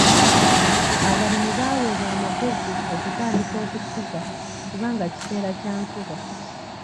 Abalimi baaweebwa amagezi okutandika okusiga kubanga kiseera kya nkuba.